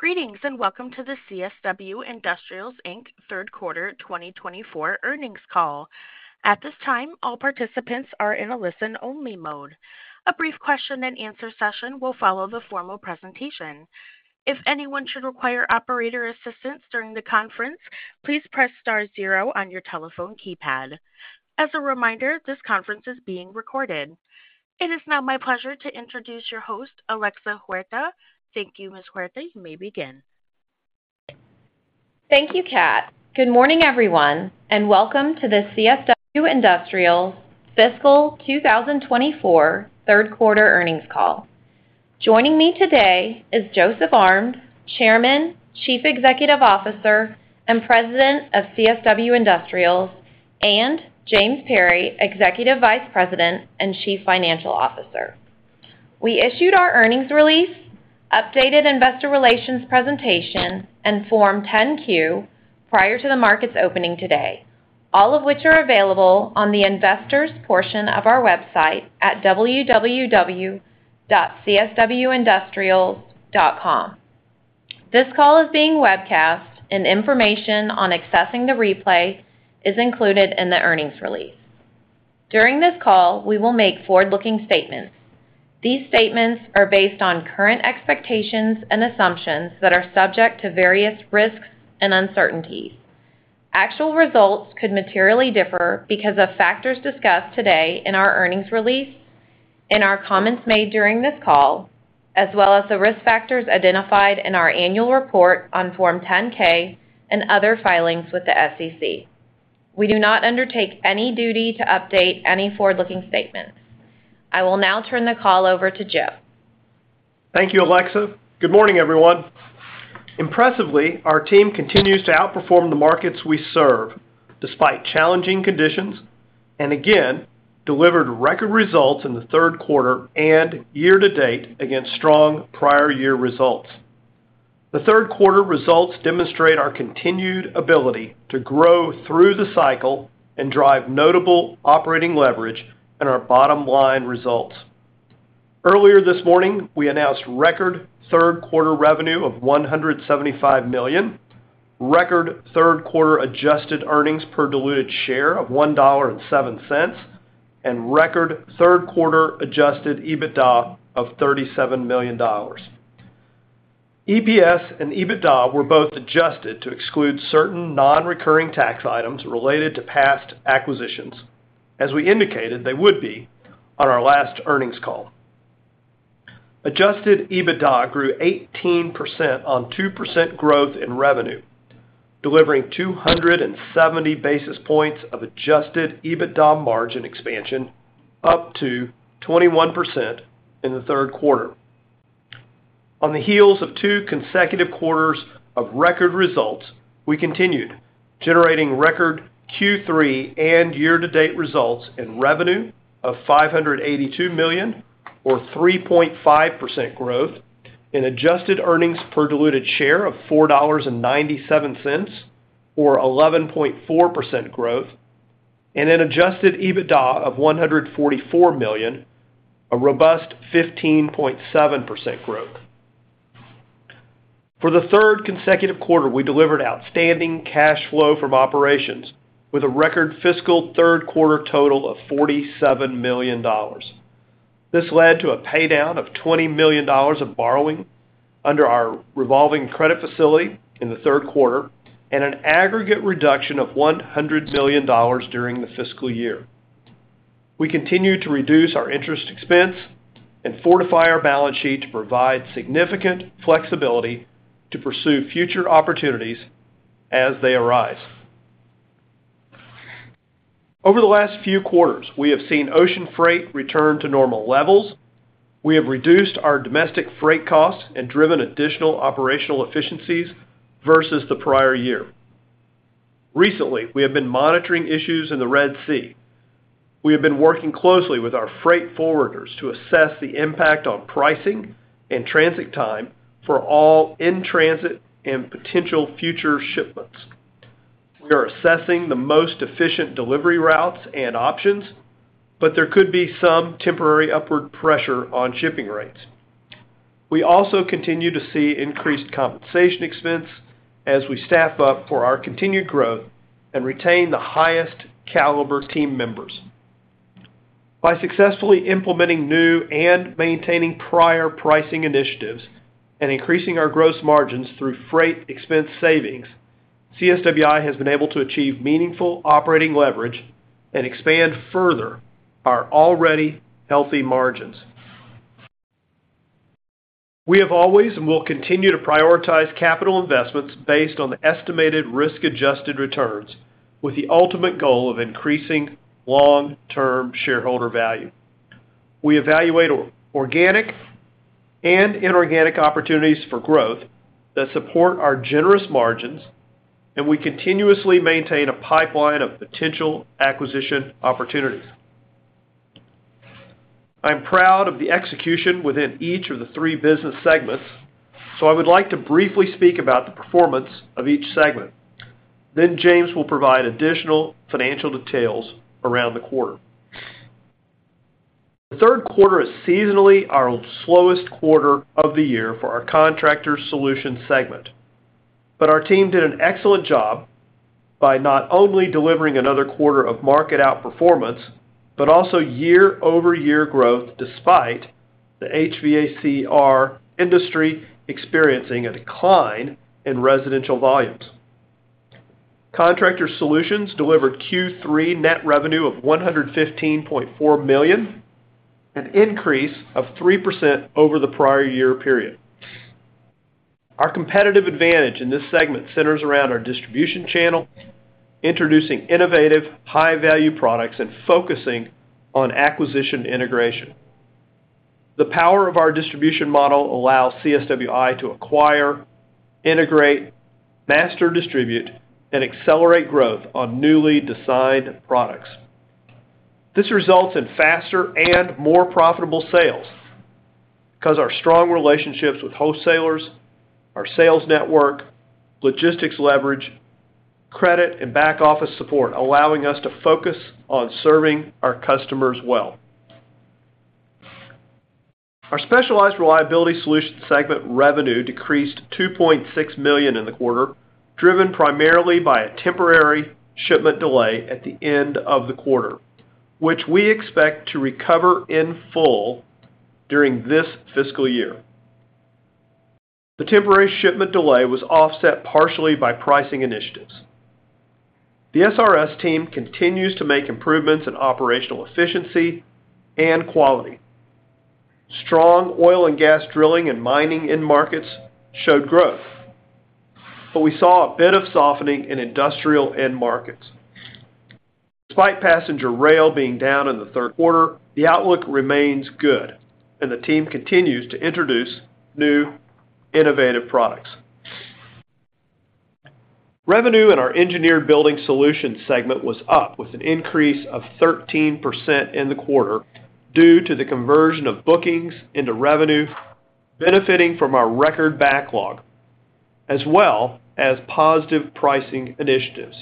Greetings, and welcome to the CSW Industrials, Inc. third quarter 2024 earnings call. At this time, all participants are in a listen-only mode. A brief question and answer session will follow the formal presentation. If anyone should require operator assistance during the conference, please press star zero on your telephone keypad. As a reminder, this conference is being recorded. It is now my pleasure to introduce your host, Alexa Huerta. Thank you, Ms. Huerta. You may begin. Thank you, Kat. Good morning, everyone, and welcome to the CSW Industrials fiscal 2024 third quarter earnings call. Joining me today is Joseph Armes, Chairman, Chief Executive Officer, and President of CSW Industrials, and James Perry, Executive Vice President and Chief Financial Officer. We issued our earnings release, updated investor relations presentation, and Form 10-Q prior to the market's opening today, all of which are available on the investors portion of our website at www.cswindustrials.com. This call is being webcast, and information on accessing the replay is included in the earnings release. During this call, we will make forward-looking statements. These statements are based on current expectations and assumptions that are subject to various risks and uncertainties. Actual results could materially differ because of factors discussed today in our earnings release, in our comments made during this call, as well as the risk factors identified in our annual report on Form 10-K and other filings with the SEC. We do not undertake any duty to update any forward-looking statements. I will now turn the call over to Joe. Thank you, Alexa. Good morning, everyone. Impressively, our team continues to outperform the markets we serve, despite challenging conditions, and again, delivered record results in the third quarter and year-to-date against strong prior year results. The third quarter results demonstrate our continued ability to grow through the cycle and drive notable operating leverage in our bottom line results. Earlier this morning, we announced record third quarter revenue of $175 million, record third quarter adjusted earnings per diluted share of $1.07, and record third quarter adjusted EBITDA of $37 million. EPS and EBITDA were both adjusted to exclude certain non-recurring tax items related to past acquisitions, as we indicated they would be on our last earnings call. Adjusted EBITDA grew 18% on 2% growth in revenue, delivering 270 basis points of adjusted EBITDA margin expansion up to 21% in the third quarter. On the heels of 2 consecutive quarters of record results, we continued generating record Q3 and year-to-date results in revenue of $582 million, or 3.5% growth, an adjusted earnings per diluted share of $4.97, or 11.4% growth, and an adjusted EBITDA of $144 million, a robust 15.7% growth. For the third consecutive quarter, we delivered outstanding cash flow from operations with a record fiscal third quarter total of $47 million. This led to a paydown of $20 million of borrowing under our revolving credit facility in the third quarter and an aggregate reduction of $100 million during the fiscal year. We continue to reduce our interest expense and fortify our balance sheet to provide significant flexibility to pursue future opportunities as they arise. Over the last few quarters, we have seen ocean freight return to normal levels. We have reduced our domestic freight costs and driven additional operational efficiencies versus the prior year. Recently, we have been monitoring issues in the Red Sea. We have been working closely with our freight forwarders to assess the impact on pricing and transit time for all in-transit and potential future shipments. We are assessing the most efficient delivery routes and options, but there could be some temporary upward pressure on shipping rates. We also continue to see increased compensation expense as we staff up for our continued growth and retain the highest caliber team members. By successfully implementing new and maintaining prior pricing initiatives and increasing our gross margins through freight expense savings, CSWI has been able to achieve meaningful operating leverage and expand further our already healthy margins. We have always and will continue to prioritize capital investments based on the estimated risk-adjusted returns, with the ultimate goal of increasing long-term shareholder value. We evaluate organic and inorganic opportunities for growth that support our generous margins, and we continuously maintain a pipeline of potential acquisition opportunities. I am proud of the execution within each of the three business segments, so I would like to briefly speak about the performance of each segment. Then James will provide additional financial details around the quarter. The third quarter is seasonally our slowest quarter of the year for our Contractor Solutions segment. But our team did an excellent job by not only delivering another quarter of market outperformance, but also year-over-year growth, despite the HVACR industry experiencing a decline in residential volumes. Contractor Solutions delivered Q3 net revenue of $115.4 million, an increase of 3% over the prior year period. Our competitive advantage in this segment centers around our distribution channel, introducing innovative, high-value products, and focusing on acquisition integration. The power of our distribution model allows CSWI to acquire, integrate, master distribute, and accelerate growth on newly designed products. This results in faster and more profitable sales, 'cause our strong relationships with wholesalers, our sales network, logistics leverage, credit, and back office support, allowing us to focus on serving our customers well. Our Specialized Reliability Solutions segment revenue decreased $2.6 million in the quarter, driven primarily by a temporary shipment delay at the end of the quarter, which we expect to recover in full during this fiscal year. The temporary shipment delay was offset partially by pricing initiatives. The SRS team continues to make improvements in operational efficiency and quality. Strong oil and gas drilling and mining end markets showed growth, but we saw a bit of softening in industrial end markets. Despite passenger rail being down in the third quarter, the outlook remains good, and the team continues to introduce new, innovative products. Revenue in our Engineered Building Solutions segment was up, with an increase of 13% in the quarter due to the conversion of bookings into revenue, benefiting from our record backlog, as well as positive pricing initiatives.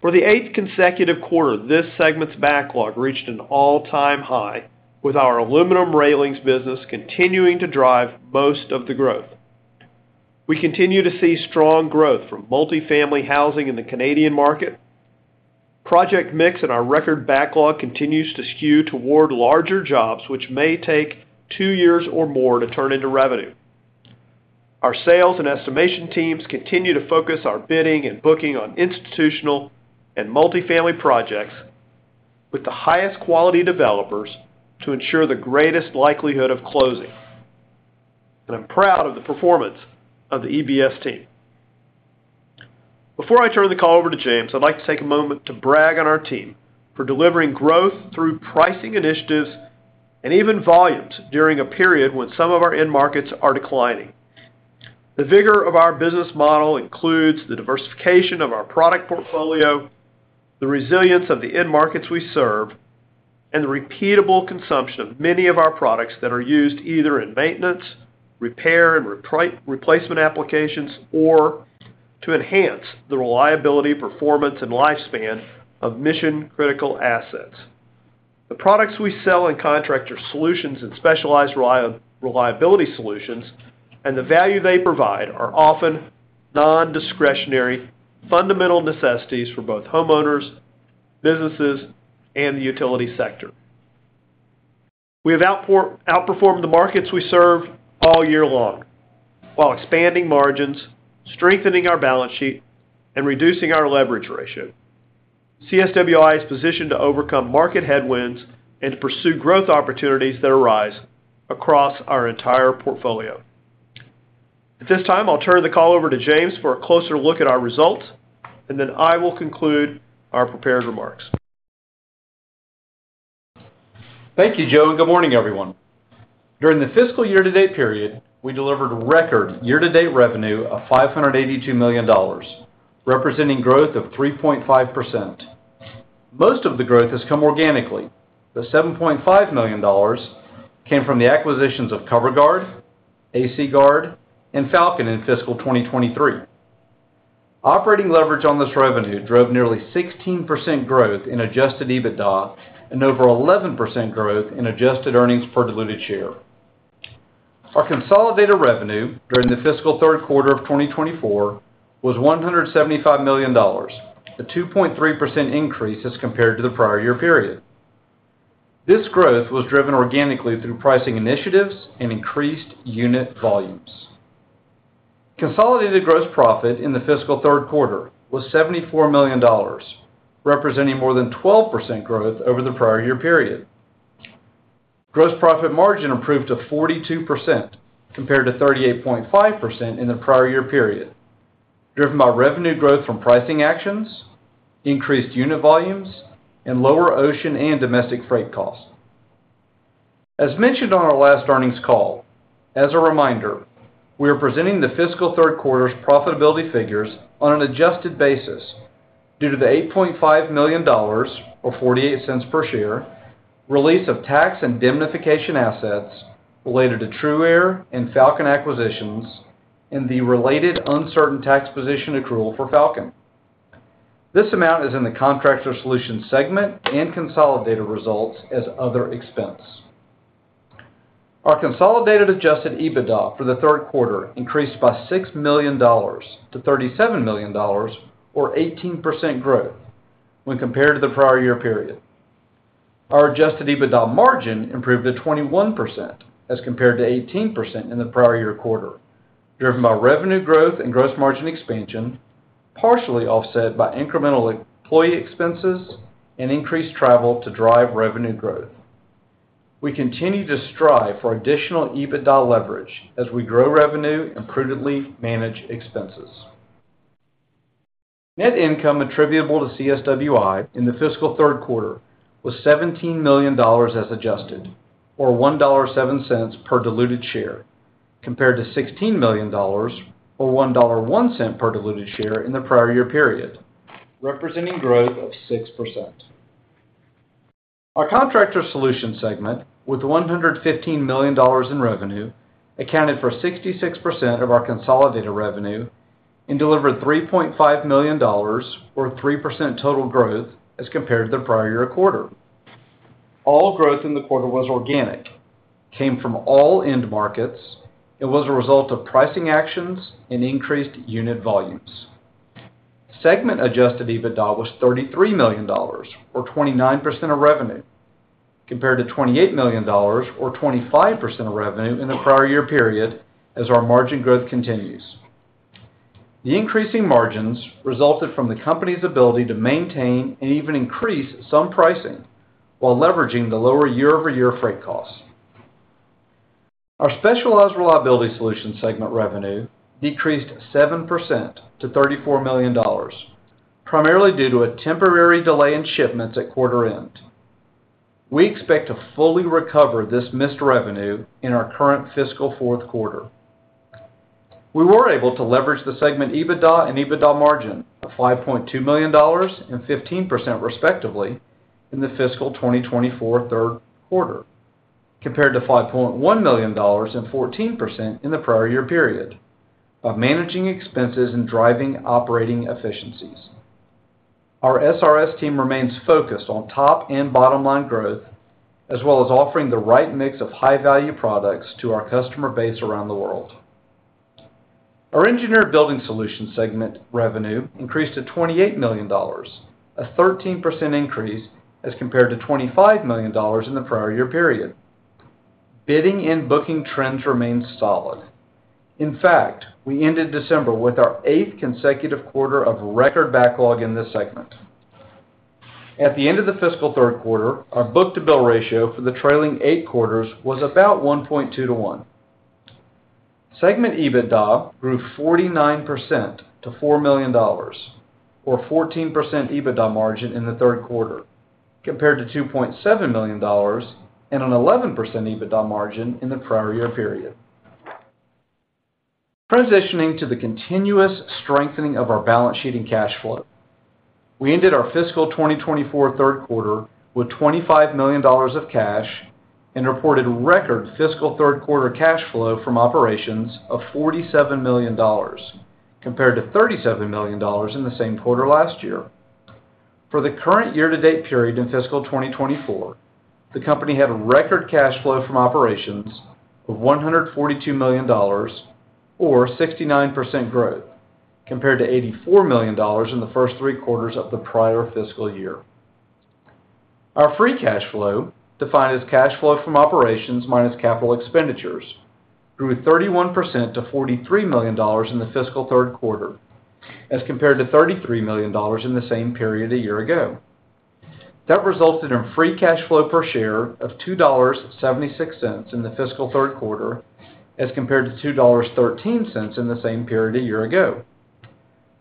For the eighth consecutive quarter, this segment's backlog reached an all-time high, with our aluminum railings business continuing to drive most of the growth. We continue to see strong growth from multifamily housing in the Canadian market. Project mix and our record backlog continues to skew toward larger jobs, which may take two years or more to turn into revenue. Our sales and estimation teams continue to focus our bidding and booking on institutional and multifamily projects with the highest quality developers to ensure the greatest likelihood of closing. And I'm proud of the performance of the EBS team. Before I turn the call over to James, I'd like to take a moment to brag on our team for delivering growth through pricing initiatives and even volumes during a period when some of our end markets are declining. The vigor of our business model includes the diversification of our product portfolio, the resilience of the end markets we serve, and the repeatable consumption of many of our products that are used either in maintenance, repair, and replacement applications, or to enhance the reliability, performance, and lifespan of mission-critical assets. The products we sell in Contractor Solutions and Specialized Reliability Solutions and the value they provide are often non-discretionary, fundamental necessities for both homeowners, businesses, and the utility sector. We have outperformed the markets we serve all year long, while expanding margins, strengthening our balance sheet, and reducing our leverage ratio. CSWI is positioned to overcome market headwinds and to pursue growth opportunities that arise across our entire portfolio. At this time, I'll turn the call over to James for a closer look at our results, and then I will conclude our prepared remarks. Thank you, Joe, and good morning, everyone. During the fiscal year-to-date period, we delivered record year-to-date revenue of $582 million, representing growth of 3.5%. Most of the growth has come organically, though $7.5 million came from the acquisitions of Cover Guard, AC Guard, and Falcon in fiscal 2023. Operating leverage on this revenue drove nearly 16% growth in Adjusted EBITDA and over 11% growth in adjusted earnings per diluted share. Our consolidated revenue during the fiscal third quarter of 2024 was $175 million, a 2.3% increase as compared to the prior year period. This growth was driven organically through pricing initiatives and increased unit volumes. Consolidated gross profit in the fiscal third quarter was $74 million, representing more than 12% growth over the prior year period. Gross profit margin improved to 42%, compared to 38.5% in the prior year period, driven by revenue growth from pricing actions, increased unit volumes, and lower ocean and domestic freight costs. As mentioned on our last earnings call, as a reminder, we are presenting the fiscal third quarter's profitability figures on an adjusted basis due to the $8.5 million, or $0.48 per share, release of tax and indemnification assets related to TRUaire and Falcon acquisitions and the related uncertain tax position accrual for Falcon.... This amount is in the Contractor Solutions segment and consolidated results as other expense. Our consolidated Adjusted EBITDA for the third quarter increased by $6 million to $37 million, or 18% growth when compared to the prior year period. Our adjusted EBITDA margin improved to 21%, as compared to 18% in the prior year quarter, driven by revenue growth and gross margin expansion, partially offset by incremental employee expenses and increased travel to drive revenue growth. We continue to strive for additional EBITDA leverage as we grow revenue and prudently manage expenses. Net income attributable to CSWI in the fiscal third quarter was $17 million as adjusted, or $1.07 per diluted share, compared to $16 million, or $1.01 per diluted share in the prior year period, representing growth of 6%. Our Contractor Solutions segment, with $115 million in revenue, accounted for 66% of our consolidated revenue and delivered $3.5 million, or 3% total growth, as compared to the prior year quarter. All growth in the quarter was organic, came from all end markets, and was a result of pricing actions and increased unit volumes. Segment Adjusted EBITDA was $33 million, or 29% of revenue, compared to $28 million, or 25% of revenue in the prior year period, as our margin growth continues. The increasing margins resulted from the company's ability to maintain and even increase some pricing, while leveraging the lower year-over-year freight costs. Our Specialized Reliability Solutions segment revenue decreased 7% to $34 million, primarily due to a temporary delay in shipments at quarter end. We expect to fully recover this missed revenue in our current fiscal fourth quarter. We were able to leverage the segment EBITDA and EBITDA margin of $5.2 million and 15%, respectively, in the fiscal 2024 third quarter, compared to $5.1 million and 14% in the prior year period, by managing expenses and driving operating efficiencies. Our SRS team remains focused on top and bottom line growth, as well as offering the right mix of high-value products to our customer base around the world. Our Engineered Building Solutions segment revenue increased to $28 million, a 13% increase as compared to $25 million in the prior year period. Bidding and booking trends remain solid. In fact, we ended December with our eighth consecutive quarter of record backlog in this segment. At the end of the fiscal third quarter, our book-to-bill ratio for the trailing eight quarters was about 1.2 to 1. Segment EBITDA grew 49% to $4 million, or 14% EBITDA margin in the third quarter, compared to $2.7 million and an 11% EBITDA margin in the prior year period. Transitioning to the continuous strengthening of our balance sheet and cash flow, we ended our fiscal 2024 third quarter with $25 million of cash and reported record fiscal third quarter cash flow from operations of $47 million, compared to $37 million in the same quarter last year. For the current year-to-date period in fiscal 2024, the company had a record cash flow from operations of $142 million, or 69% growth, compared to $84 million in the first three quarters of the prior fiscal year. Our free cash flow, defined as cash flow from operations minus capital expenditures, grew 31% to $43 million in the fiscal third quarter, as compared to $33 million in the same period a year ago. That resulted in free cash flow per share of $2.76 in the fiscal third quarter, as compared to $2.13 in the same period a year ago.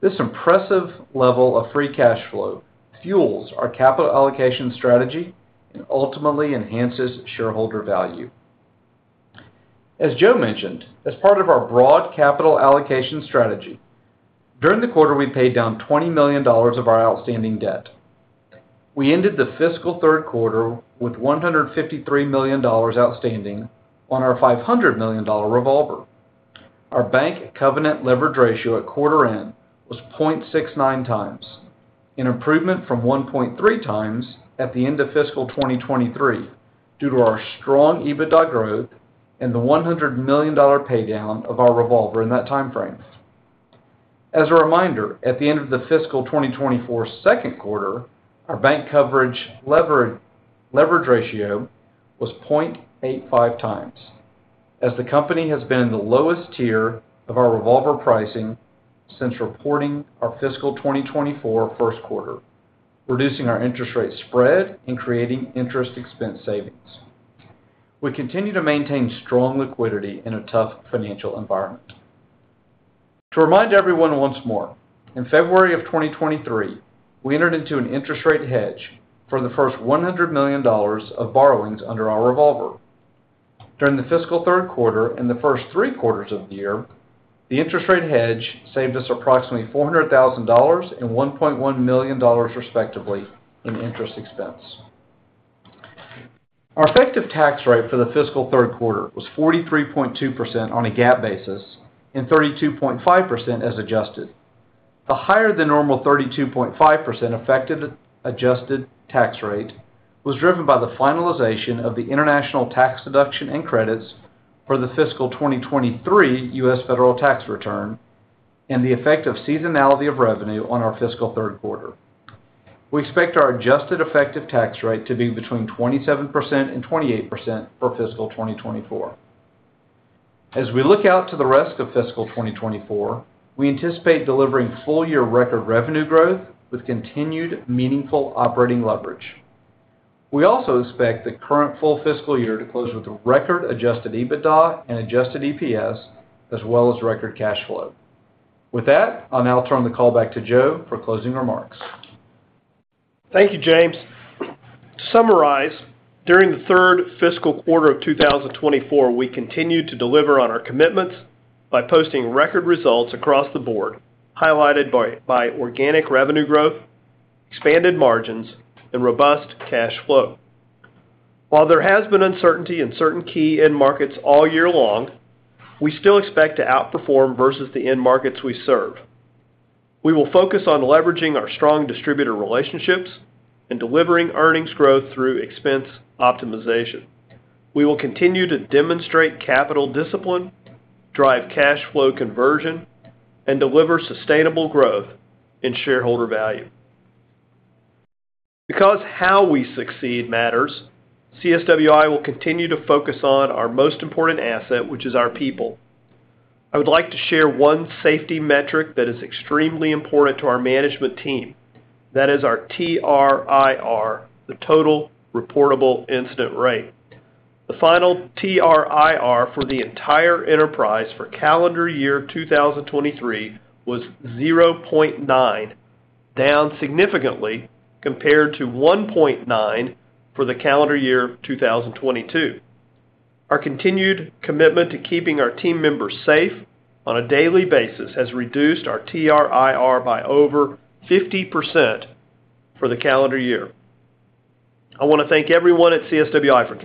This impressive level of free cash flow fuels our capital allocation strategy and ultimately enhances shareholder value. As Joe mentioned, as part of our broad capital allocation strategy, during the quarter, we paid down $20 million of our outstanding debt. We ended the fiscal third quarter with $153 million outstanding on our $500 million revolver. Our bank covenant leverage ratio at quarter end was 0.69 times, an improvement from 1.3 times at the end of fiscal 2023, due to our strong EBITDA growth and the $100 million pay down of our revolver in that time frame. As a reminder, at the end of the fiscal 2024 second quarter, our bank covenant leverage ratio was 0.85 times, as the company has been in the lowest tier of our revolver pricing since reporting our fiscal 2024 first quarter, reducing our interest rate spread and creating interest expense savings. We continue to maintain strong liquidity in a tough financial environment. To remind everyone once more, in February 2023, we entered into an interest rate hedge for the first $100 million of borrowings under our revolver. During the fiscal third quarter and the first three quarters of the year, the interest rate hedge saved us approximately $400,000 and $1.1 million, respectively, in interest expense. Our effective tax rate for the fiscal third quarter was 43.2% on a GAAP basis and 32.5% as adjusted. The higher than normal 32.5% effective adjusted tax rate was driven by the finalization of the international tax deduction and credits for the fiscal 2023 U.S. federal tax return and the effect of seasonality of revenue on our fiscal third quarter. We expect our adjusted effective tax rate to be between 27% and 28% for fiscal 2024. As we look out to the rest of fiscal 2024, we anticipate delivering full-year record revenue growth with continued meaningful operating leverage. We also expect the current full fiscal year to close with a record Adjusted EBITDA and Adjusted EPS, as well as record cash flow. With that, I'll now turn the call back to Joe for closing remarks. Thank you, James. To summarize, during the third fiscal quarter of 2024, we continued to deliver on our commitments by posting record results across the board, highlighted by organic revenue growth, expanded margins, and robust cash flow. While there has been uncertainty in certain key end markets all year long, we still expect to outperform versus the end markets we serve. We will focus on leveraging our strong distributor relationships and delivering earnings growth through expense optimization. We will continue to demonstrate capital discipline, drive cash flow conversion, and deliver sustainable growth in shareholder value. Because how we succeed matters, CSWI will continue to focus on our most important asset, which is our people. I would like to share one safety metric that is extremely important to our management team. That is our TRIR, the Total Recordable Incident Rate. The final TRIR for the entire enterprise for calendar year 2023 was 0.9, down significantly compared to 1.9 for the calendar year 2022. Our continued commitment to keeping our team members safe on a daily basis has reduced our TRIR by over 50% for the calendar year. I want to thank everyone at CSWI for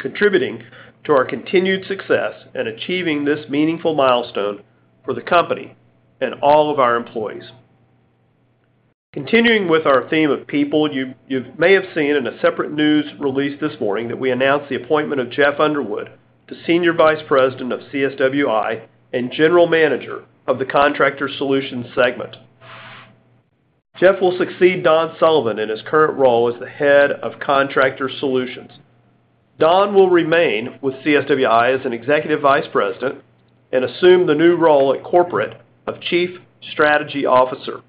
contributing to our continued success and achieving this meaningful milestone for the company and all of our employees. Continuing with our theme of people, you may have seen in a separate news release this morning that we announced the appointment of Jeff Underwood to Senior Vice President of CSWI and General Manager of the Contractor Solutions segment. Jeff will succeed Don Sullivan in his current role as the Head of Contractor Solutions. Don will remain with CSWI as an Executive Vice President and assume the new role at corporate of Chief Strategy Officer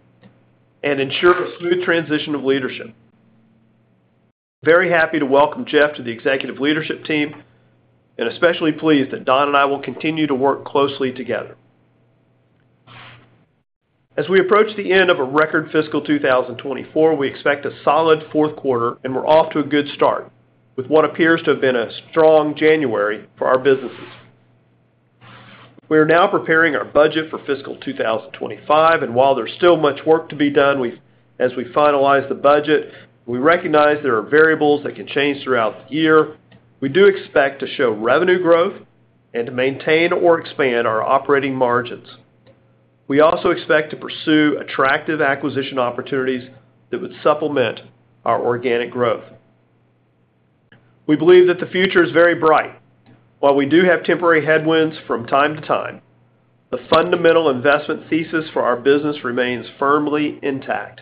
and ensure a smooth transition of leadership. Very happy to welcome Jeff to the executive leadership team, and especially pleased that Don and I will continue to work closely together. As we approach the end of a record fiscal 2024, we expect a solid fourth quarter, and we're off to a good start with what appears to have been a strong January for our businesses. We are now preparing our budget for fiscal 2025, and while there's still much work to be done, we, as we finalize the budget, we recognize there are variables that can change throughout the year. We do expect to show revenue growth and to maintain or expand our operating margins. We also expect to pursue attractive acquisition opportunities that would supplement our organic growth. We believe that the future is very bright. While we do have temporary headwinds from time to time, the fundamental investment thesis for our business remains firmly intact.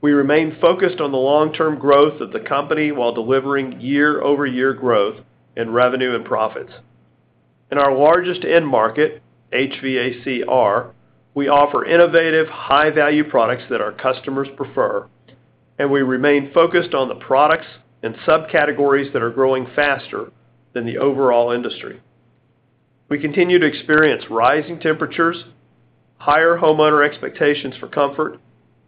We remain focused on the long-term growth of the company while delivering year-over-year growth in revenue and profits. In our largest end market, HVACR, we offer innovative, high-value products that our customers prefer, and we remain focused on the products and subcategories that are growing faster than the overall industry. We continue to experience rising temperatures, higher homeowner expectations for comfort,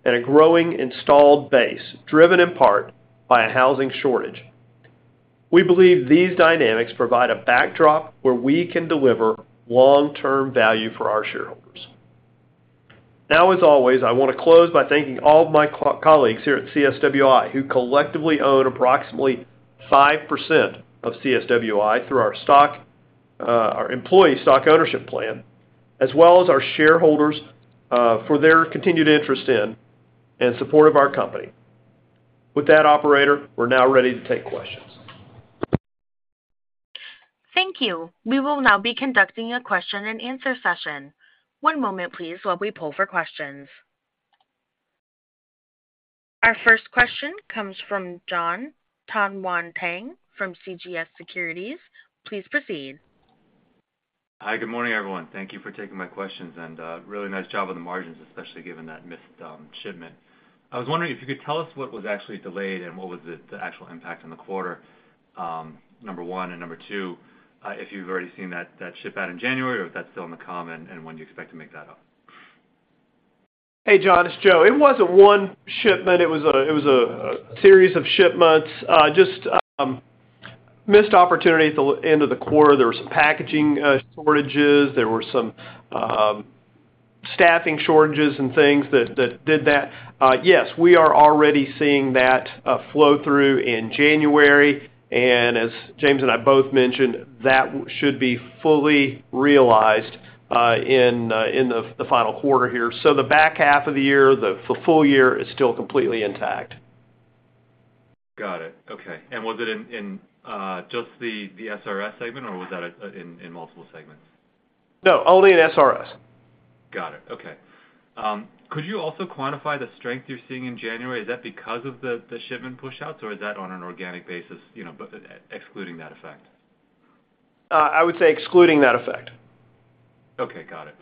and a growing installed base, driven in part by a housing shortage. We believe these dynamics provide a backdrop where we can deliver long-term value for our shareholders. Now, as always, I want to close by thanking all of my colleagues here at CSWI, who collectively own approximately 5% of CSWI through our stock, our employee stock ownership plan, as well as our shareholders, for their continued interest in and support of our company. With that, operator, we're now ready to take questions. Thank you. We will now be conducting a question-and-answer session. One moment, please, while we poll for questions. Our first question comes from Jon Tanwanteng from CJS Securities. Please proceed. Hi, good morning, everyone. Thank you for taking my questions, and really nice job on the margins, especially given that missed shipment. I was wondering if you could tell us what was actually delayed and what was the actual impact on the quarter, number one, and number two, if you've already seen that ship out in January, or if that's still in the queue, and when do you expect to make that up? Hey, Jon, it's Joe. It wasn't one shipment. It was a series of shipments. Just missed opportunity at the end of the quarter. There were some packaging shortages. There were some,... staffing shortages and things that, that did that. Yes, we are already seeing that flow through in January, and as James and I both mentioned, that should be fully realized in the final quarter here. The back half of the year, the full year is still completely intact. Got it. Okay. Was it in just the SRS segment, or was that in multiple segments? No, only in SRS. Got it. Okay. Could you also quantify the strength you're seeing in January? Is that because of the shipment pushouts, or is that on an organic basis, you know, but excluding that effect? I would say excluding that effect. Okay, got it.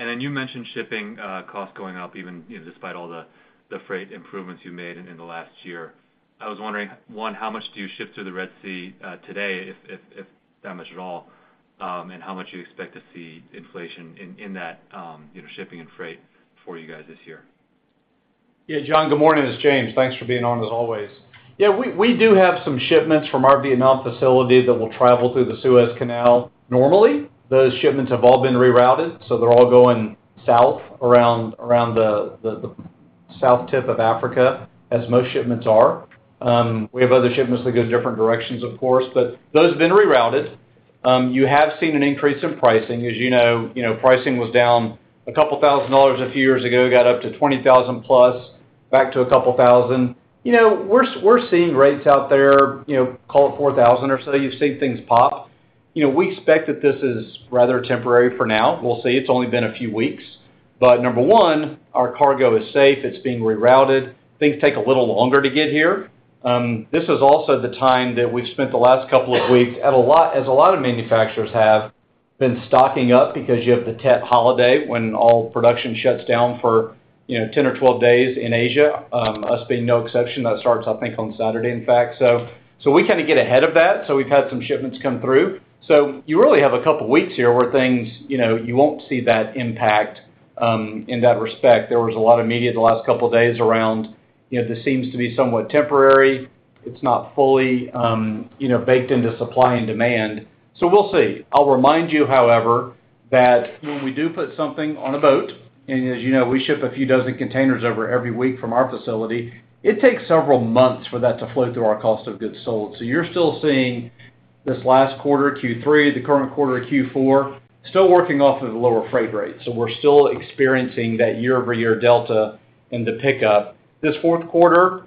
And then you mentioned shipping costs going up, even, you know, despite all the freight improvements you made in the last year. I was wondering, one, how much do you ship through the Red Sea today, if that much at all, and how much do you expect to see inflation in that, you know, shipping and freight for you guys this year? Yeah, Jon, good morning. It's James. Thanks for being on, as always. Yeah, we do have some shipments from our Vietnam facility that will travel through the Suez Canal. Normally, those shipments have all been rerouted, so they're all going south around the south tip of Africa, as most shipments are. We have other shipments that go different directions, of course, but those have been rerouted. You have seen an increase in pricing. As you know, you know, pricing was down $2,000 a few years ago, got up to $20,000 plus, back to $2,000. You know, we're seeing rates out there, you know, call it $4,000 or so. You've seen things pop. You know, we expect that this is rather temporary for now. We'll see. It's only been a few weeks, but number one, our cargo is safe. It's being rerouted. Things take a little longer to get here. This is also the time that we've spent the last couple of weeks, as a lot of manufacturers have, been stocking up because you have the Tet Holiday when all production shuts down for, you know, 10 or 12 days in Asia, us being no exception. That starts, I think, on Saturday, in fact. So we kind of get ahead of that, so we've had some shipments come through. So you really have a couple weeks here where things, you know, you won't see that impact, in that respect. There was a lot of media the last couple of days around... You know, this seems to be somewhat temporary. It's not fully, you know, baked into supply and demand, so we'll see. I'll remind you, however, that when we do put something on a boat, and as you know, we ship a few dozen containers over every week from our facility, it takes several months for that to flow through our cost of goods sold. So you're still seeing this last quarter, Q3, the current quarter Q4, still working off of the lower freight rate. So we're still experiencing that year-over-year delta in the pickup. This fourth quarter,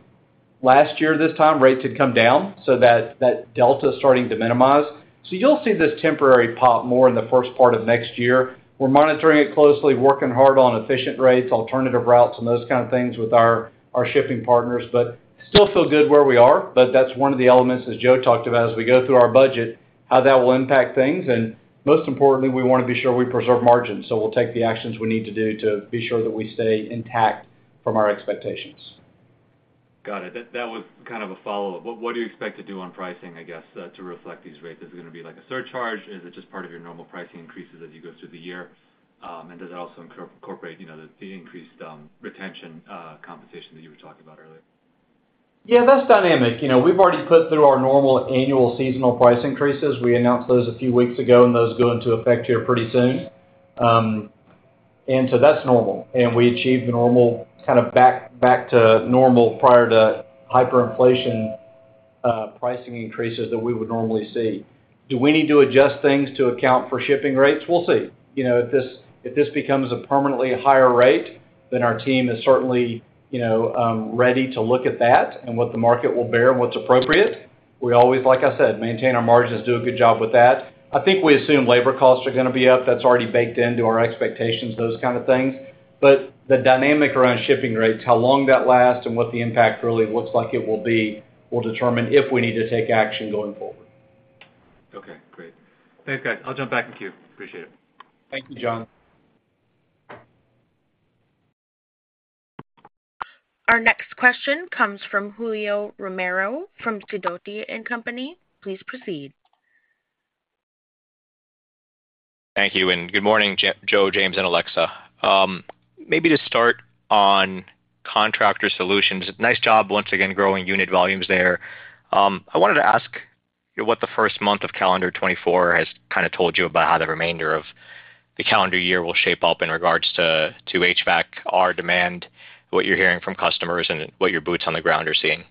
last year, this time, rates had come down, so that, that delta is starting to minimize. So you'll see this temporary pop more in the first part of next year. We're monitoring it closely, working hard on efficient rates, alternative routes, and those kind of things with our, our shipping partners, but still feel good where we are. That's one of the elements, as Joe talked about, as we go through our budget, how that will impact things, and most importantly, we wanna be sure we preserve margins, so we'll take the actions we need to do to be sure that we stay intact from our expectations. Got it. That was kind of a follow-up. What do you expect to do on pricing, I guess, to reflect these rates? Is it gonna be like a surcharge? Is it just part of your normal pricing increases as you go through the year? And does that also incorporate, you know, the increased retention compensation that you were talking about earlier? Yeah, that's dynamic. You know, we've already put through our normal annual seasonal price increases. We announced those a few weeks ago, and those go into effect here pretty soon. And so that's normal, and we achieved the normal kind of back to normal prior to hyperinflation pricing increases that we would normally see. Do we need to adjust things to account for shipping rates? We'll see. You know, if this becomes a permanently higher rate, then our team is certainly ready to look at that and what the market will bear and what's appropriate. We always, like I said, maintain our margins, do a good job with that. I think we assume labor costs are gonna be up. That's already baked into our expectations, those kind of things. But the dynamic around shipping rates, how long that lasts and what the impact really looks like it will be, will determine if we need to take action going forward. Okay, great. Thanks, guys. I'll jump back in queue. Appreciate it. Thank you, Jon. Our next question comes from Julio Romero, from Sidoti & Company. Please proceed. Thank you, and good morning, Joe, James, and Alexa. Maybe to start on Contractor Solutions. Nice job once again, growing unit volumes there. I wanted to ask, you know, what the first month of calendar 2024 has kind of told you about how the remainder of the calendar year will shape up in regards to, to HVAC, our demand, what you're hearing from customers, and what your boots on the ground are seeing?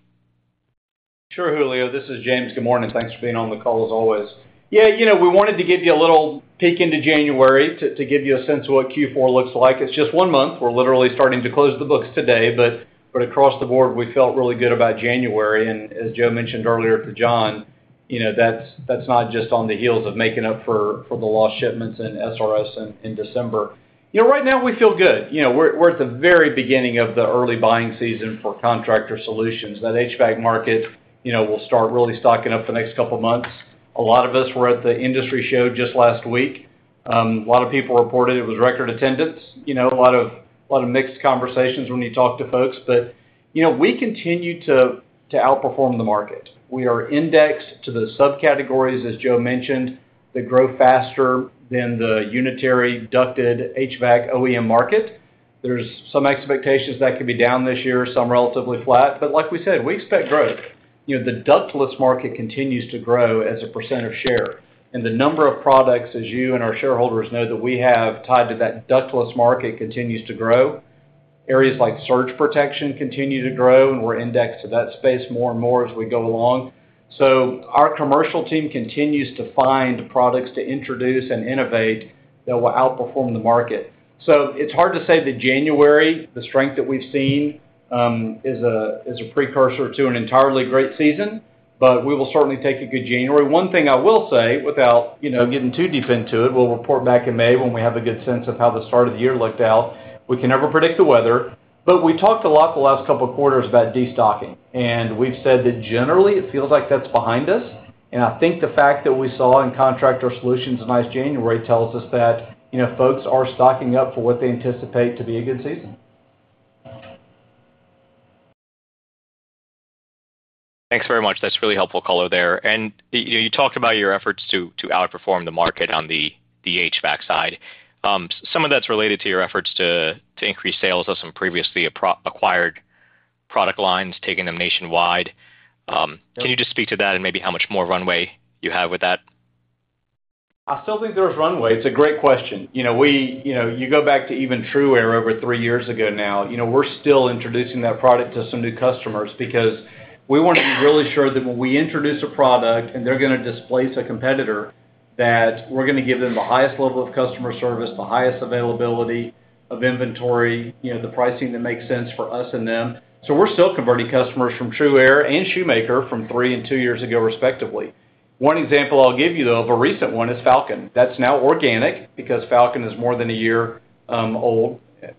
Sure, Julio, this is James. Good morning. Thanks for being on the call as always. Yeah, you know, we wanted to give you a little peek into January to give you a sense of what Q4 looks like. It's just one month. We're literally starting to close the books today, but across the board, we felt really good about January, and as Joe mentioned earlier to Jon, you know, that's not just on the heels of making up for the lost shipments in SRS in December. You know, right now we feel good. You know, we're at the very beginning of the early buying season for Contractor Solutions. That HVAC market, you know, will start really stocking up the next couple of months. A lot of us were at the industry show just last week. A lot of people reported it was record attendance, you know, a lot of, a lot of mixed conversations when you talk to folks, but, you know, we continue to outperform the market. We are indexed to the subcategories, as Joe mentioned, that grow faster than the unitary ducted HVAC OEM market. There's some expectations that could be down this year, some relatively flat. But like we said, we expect growth. You know, the ductless market continues to grow as a percent of share, and the number of products, as you and our shareholders know, that we have tied to that ductless market continues to grow. Areas like surge protection continue to grow, and we're indexed to that space more and more as we go along. So our commercial team continues to find products to introduce and innovate that will outperform the market. So it's hard to say that January, the strength that we've seen, is a precursor to an entirely great season, but we will certainly take a good January. One thing I will say, without, you know, getting too deep into it, we'll report back in May when we have a good sense of how the start of the year looked like. We can never predict the weather, but we talked a lot the last couple of quarters about destocking, and we've said that generally it feels like that's behind us. I think the fact that we saw in Contractor Solutions a nice January tells us that, you know, folks are stocking up for what they anticipate to be a good season. Thanks very much. That's really helpful color there. And you talked about your efforts to outperform the market on the HVAC side. Some of that's related to your efforts to increase sales of some previously acquired product lines, taking them nationwide. Can you just speak to that and maybe how much more runway you have with that? I still think there's runway. It's a great question. You know, we, you know, you go back to even TRUaire over three years ago now. You know, we're still introducing that product to some new customers because we want to be really sure that when we introduce a product, and they're gonna displace a competitor, that we're gonna give them the highest level of customer service, the highest availability of inventory, you know, the pricing that makes sense for us and them. So we're still converting customers from TRUaire and Shoemaker from three and two years ago, respectively. One example I'll give you, though, of a recent one is Falcon. That's now organic because Falcon is more than a year old,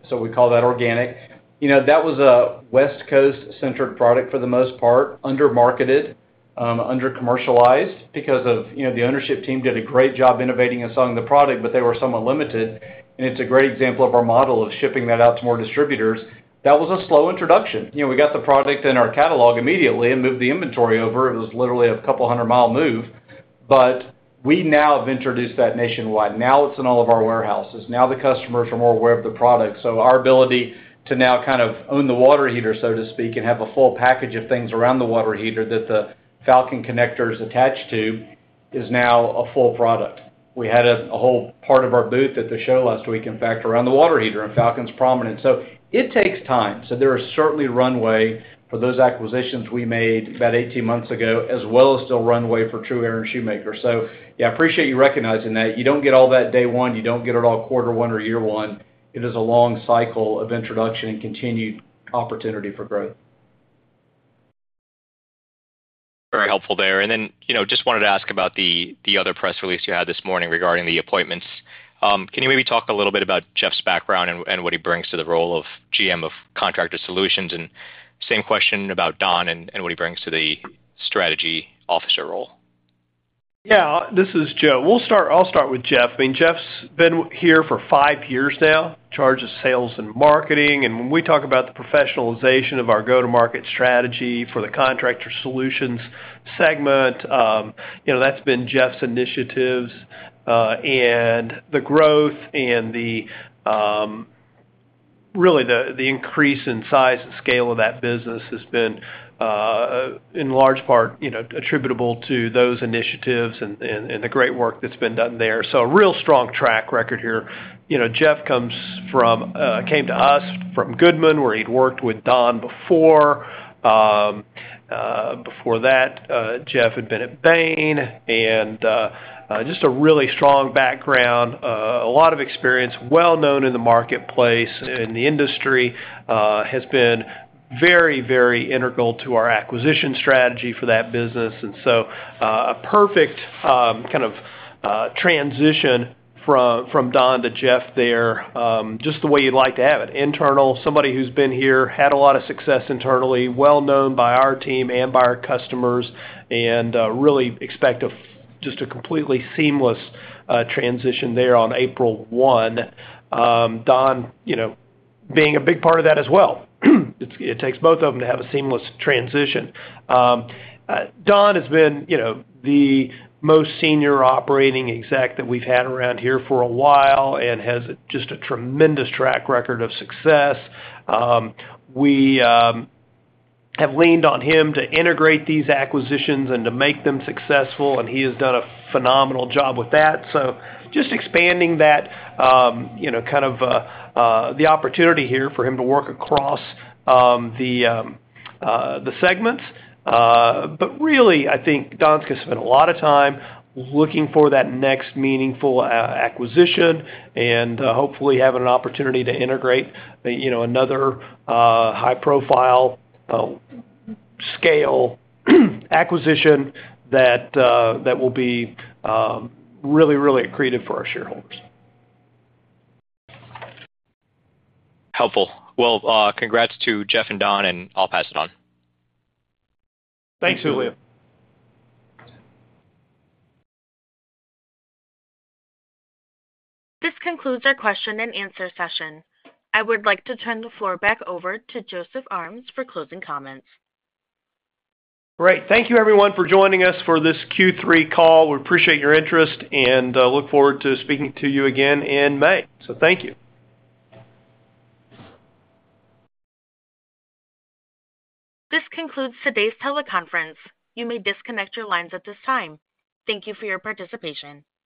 so we call that organic. You know, that was a West Coast-centric product for the most part, under-marketed, under-commercialized because of, you know, the ownership team did a great job innovating and selling the product, but they were somewhat limited. And it's a great example of our model of shipping that out to more distributors. That was a slow introduction. You know, we got the product in our catalog immediately and moved the inventory over. It was literally a 200-mile move, but we now have introduced that nationwide. Now, it's in all of our warehouses. Now, the customers are more aware of the product. So our ability to now kind of own the water heater, so to speak, and have a full package of things around the water heater that the Falcon connector is attached to, is now a full product. We had a whole part of our booth at the show last week, in fact, around the water heater, and Falcon's prominent. So it takes time. So there is certainly runway for those acquisitions we made about 18 months ago, as well as still runway for TRUaire and Shoemaker. So yeah, I appreciate you recognizing that. You don't get all that day one. You don't get it all quarter one or year one. It is a long cycle of introduction and continued opportunity for growth. Very helpful there. And then, you know, just wanted to ask about the other press release you had this morning regarding the appointments. Can you maybe talk a little bit about Jeff's background and what he brings to the role of GM of Contractor Solutions? And same question about Don and what he brings to the strategy officer role. Yeah, this is Joe. We'll start. I'll start with Jeff. I mean, Jeff's been here for five years now, in charge of sales and marketing. And when we talk about the professionalization of our go-to-market strategy for the Contractor Solutions segment, you know, that's been Jeff's initiatives. And the growth and the, really, the, the increase in size and scale of that business has been, in large part, you know, attributable to those initiatives and, and, and the great work that's been done there. So a real strong track record here. You know, Jeff came to us from Goodman, where he'd worked with Don before. Before that, Jeff had been at Bain, and just a really strong background, a lot of experience, well-known in the marketplace, in the industry, has been very, very integral to our acquisition strategy for that business. And so, a perfect kind of transition from Don to Jeff there, just the way you'd like to have it. Internal, somebody who's been here, had a lot of success internally, well-known by our team and by our customers, and really expect a just a completely seamless transition there on April 1. Don, you know, being a big part of that as well. It takes both of them to have a seamless transition. Don has been, you know, the most senior operating exec that we've had around here for a while and has just a tremendous track record of success. We have leaned on him to integrate these acquisitions and to make them successful, and he has done a phenomenal job with that. So just expanding that, you know, kind of, the opportunity here for him to work across the segments. But really, I think Don's gonna spend a lot of time looking for that next meaningful acquisition and, hopefully having an opportunity to integrate, you know, another, high profile, scale, acquisition that, that will be, really, really accretive for our shareholders. Helpful. Well, congrats to Jeff and Don, and I'll pass it on. Thanks, Julio. This concludes our question and answer session. I would like to turn the floor back over to Joseph Armes for closing comments. Great. Thank you everyone for joining us for this Q3 call. We appreciate your interest, and look forward to speaking to you again in May. Thank you. This concludes today's teleconference. You may disconnect your lines at this time. Thank you for your participation.